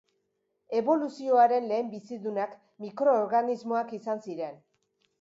Eboluzioaren lehen bizidunak mikroorganismoak izan ziren.